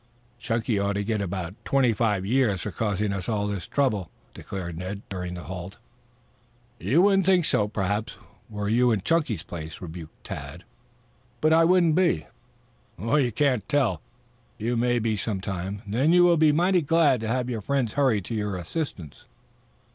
"Chunky ought to get about twenty years for causing us all this trouble," declared Ned during the halt. "You wouldn't think so, perhaps, were you in Chunky's place," rebuked Tad. "But I wouldn't be." "You can't tell. You may be some time; then you will be mighty glad to have your friends hurry to your assistance."